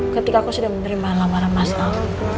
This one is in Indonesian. ketika aku sudah menerima alam alam masyarakat